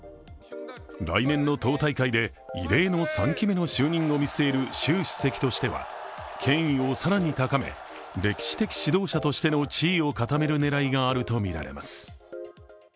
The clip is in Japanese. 来年の党大会で異例の３期目の就任を迎える習主席としては権威を更に高め歴史的指導者としての地位を固める狙いがあるとみられます。